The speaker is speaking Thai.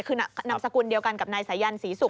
คือนามสกุลเดียวกันกับนายสายันศรีศุกร์